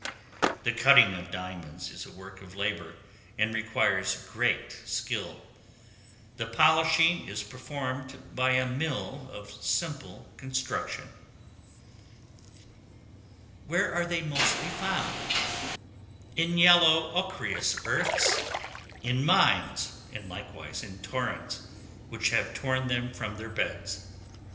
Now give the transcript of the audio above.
The cutting of diamonds is a work of labor, and requires great skill; the polishing is performed by a mill of simple construction. Where are they mostly found? In yellow ochreous earths; in mines; and likewise in torrents, which have torn them from their beds.